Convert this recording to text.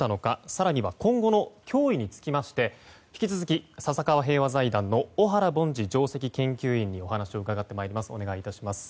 更には今後の脅威につきまして引き続き、笹川平和財団の小原凡司上席研究員にお話を伺ってまいります。